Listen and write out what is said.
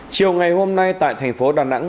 chiều ngày hôm nay tại thành phố đà nẵng